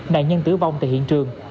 nạn nhân tử vong tại hiện trường